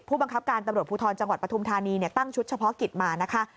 บังคับการตำรวจภูทรจังหวัดปฐุมธานีตั้งชุดเฉพาะกิจมานะคะ